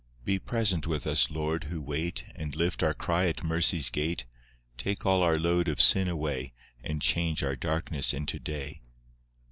II Be present with us, Lord, who wait, And lift our cry at mercy's gate; Take all our load of sin away, And change our darkness into day.